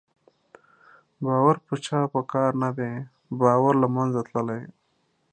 باور په چا په کار نه دی، باور له منځه تللی